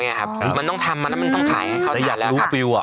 เนี้ยครับมันต้องทำมันต้องขายให้เข้าหน้าแล้วค่ะแต่อย่างรูปฟิวอ่ะ